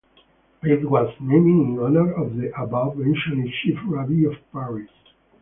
It was named in honor of the above-mentioned Chief Rabbi of Paris.